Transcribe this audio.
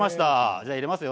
じゃあ入れますよ